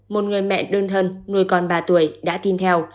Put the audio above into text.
một người mẹ đơn thân nuôi con ba tuổi đã tin theo